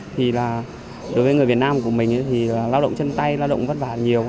thì là đối với người việt nam của mình thì lao động chân tay lao động vất vả nhiều